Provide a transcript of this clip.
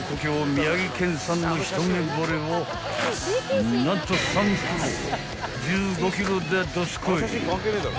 宮城県産のひとめぼれを何と３袋１５ｋｇだどすこい］